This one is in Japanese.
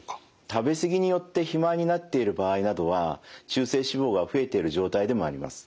食べ過ぎによって肥満になっている場合などは中性脂肪が増えている状態でもあります。